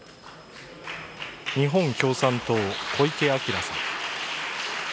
日本共産党、小池晃さん。